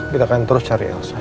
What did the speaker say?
kita akan terus cari elsa ya